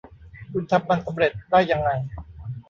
คุณทำมันสำเร็จได้ยังไง